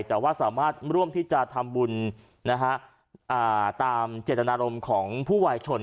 แต่ว่าสามารถร่วมที่จะทำบุญตามเจตนารมณ์ของผู้วายชน